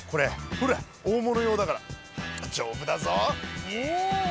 ほら大物用だから丈夫だぞ。